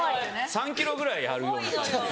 ３ｋｇぐらいあるような感じで。